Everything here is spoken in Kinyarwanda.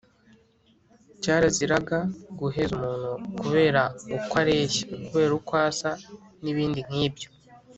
Cyaraziraga guheza umuntu kubera uko areshya, kubera uko asa n’ibindi nkibyo